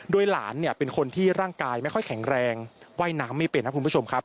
โดยหลานเนี่ยเป็นคนที่ร่างกายไม่ค่อยแข็งแรงว่ายน้ำไม่เป็นนะคุณผู้ชมครับ